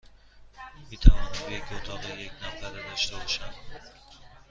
می توانم یک اتاق یک نفره داشته باشم؟